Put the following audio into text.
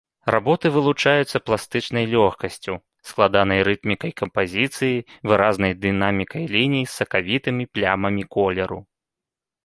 Работы вылучаюцца пластычнай лёгкасцю, складанай рытмікай кампазіцыі, выразнай дынамікай ліній з сакавітымі плямамі колеру.